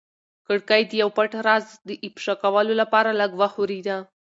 کړکۍ د یو پټ راز د افشا کولو لپاره لږه وښورېده.